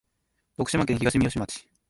徳島県東みよし町